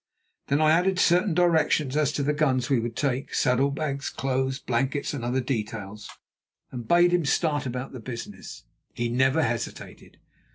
Then I added certain directions as to the guns we would take, saddle bags, clothes, blankets and other details, and bade him start about the business. Hans never hesitated.